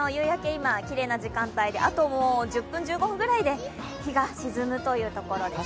今、きれいな時間帯で、あと１０分から１５分ぐらいで日が沈むところですね。